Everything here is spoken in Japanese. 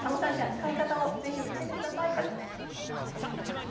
使い方を見せてください。